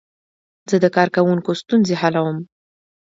زه د کاروونکو ستونزې حلوم.